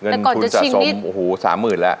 แต่ก่อนจะชิงนิดเงินทุนสะสมโอ้โห๓๐๐๐๐แล้ว